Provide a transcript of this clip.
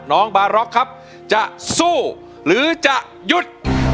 น้องบาร็อกครับจะสู้หรือจะหยุด